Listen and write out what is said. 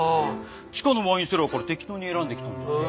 地下のワインセラーから適当に選んできたんですけど。